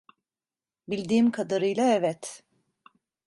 Bildiğim kadarıyla evet.